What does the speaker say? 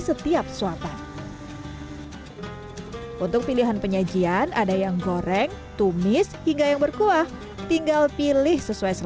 setiap suatan untuk pilihan penyajian ada yang goreng tumis hingga yang berkuah tinggal pilih sesuai